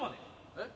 えっ？